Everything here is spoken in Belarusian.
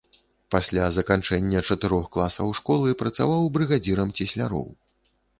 Пасля заканчэння чатырох класаў школы працаваў брыгадзірам цесляроў.